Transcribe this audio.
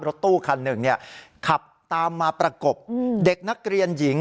รถตู้คันหนึ่งขับตามมาประกบเด็กนักเรียนหญิง